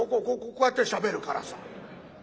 こうこうこうやってしゃべるからさ。